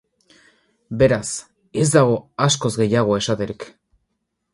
Beraz, ez dago askoz gehiago esaterik.